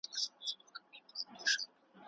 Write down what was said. ایا ته په خپل باغ کې کار کول خوښوې؟